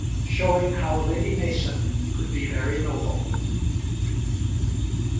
SHOWING HOW LADY MASON COULD BE VERY NOBLE.